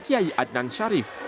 qiyai adnan syarif